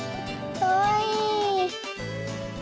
かわいい。